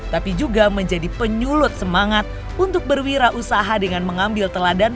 tapi juga menjadi penyulut semangat untuk berwirausaha dengan mengambil teladan